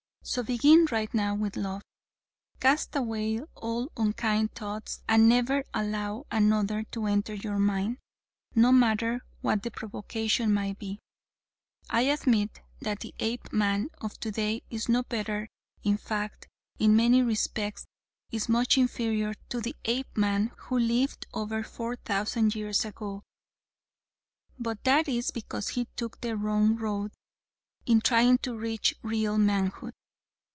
So begin right now with love. Cast away all unkind thoughts and never allow another to enter your mind, no matter what the provocation might be. I admit that the Apeman of today is no better, in fact, in many respects is much inferior to the Apeman who lived over four thousand years ago, but that is because he took the wrong road in trying to reach real manhood.